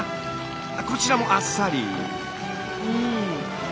こちらもあっさり。